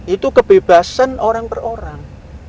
itu kebebasan orang per orang